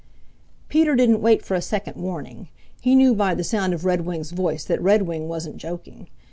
Peter didn't wait for a second warning. He knew by the sound of Redwing's voice that Redwing wasn't joking.